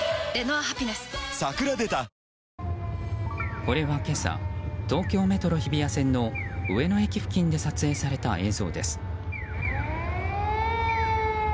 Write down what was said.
これは今朝東京メトロ日比谷線の上野駅付近で撮影された映像です。